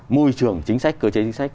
môi trường chính sách cơ chế chính sách